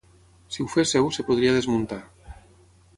si ho féssiu, es podria desmuntar